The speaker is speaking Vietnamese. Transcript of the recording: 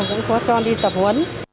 cũng có cho đi tập hấn